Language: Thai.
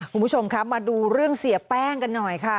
คุณผู้ชมคะมาดูเรื่องเสียแป้งกันหน่อยค่ะ